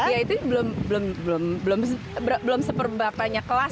ya itu belum seberapa banyak kelas